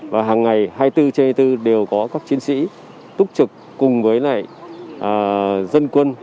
và hàng ngày hai mươi bốn trên hai mươi bốn đều có các chiến sĩ túc trực cùng với dân quân